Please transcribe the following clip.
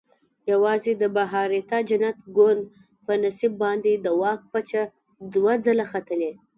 یوازې د بهاریته جنت ګوند په نصیب باندې د واک پچه دوه ځله ختلې.